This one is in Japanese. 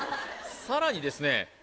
さらにですね